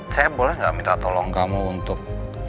saya boleh nggak minta tolong kamu untuk